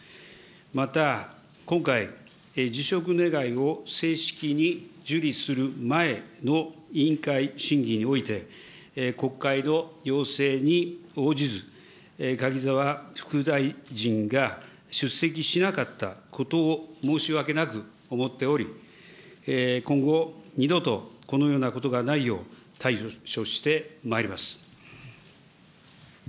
また今回、辞職願を正式に受理する前の委員会審議において、国会の要請に応じず、柿沢副大臣が出席しなかったことを申し訳なく思っており、今後、二度とこのようなことがないよう対処してまいります。